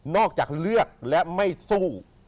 จากเลือกและไม่สู้